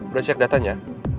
udah cek datanya